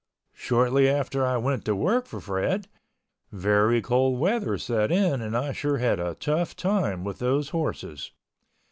Shortly after I went to work for Fred, very cold weather set in and I sure had a tough time with those horses.